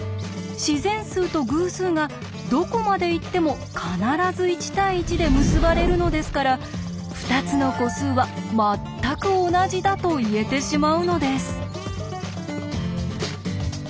自然数と偶数がどこまでいっても必ず１対１で結ばれるのですから２つの個数は「まったく同じだ」と言えてしまうのです。